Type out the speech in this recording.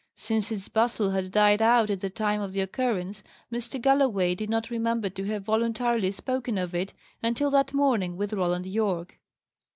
Since its bustle had died out at the time of the occurrence, Mr. Galloway did not remember to have voluntarily spoken of it, until that morning with Roland Yorke.